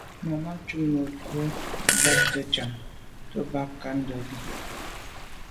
Màmá cúp mbə̌ bū jáptə́ cāŋ tɔ̌ bā ŋká ndɔ̌lī.